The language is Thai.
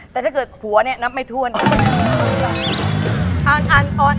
แต่ถ้าเกิดผัวเนี่ยนับไม่ถ้วน